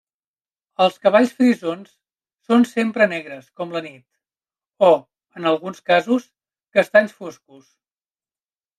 Els cavalls frisons són sempre negres com la nit o, en alguns casos, castanys foscos.